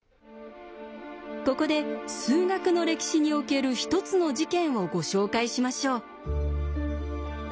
ここで数学の歴史における一つの事件をご紹介しましょう。